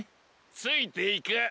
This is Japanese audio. ついていく。